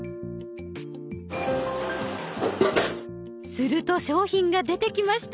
すると商品が出てきました。